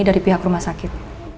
dari pihak rumah sakit